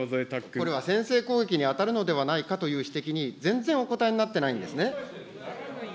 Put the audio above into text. これは先制攻撃に当たるのではないかという指摘に、全然お答えになってないんですね。